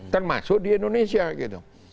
termasuk di indonesia gitu